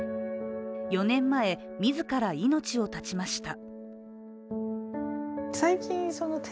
４年前、自ら命を絶ちました。